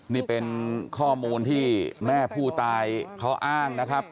นี่เป็นข้อมูลที่แม่ผู้ตายเขาอ้างนะครับ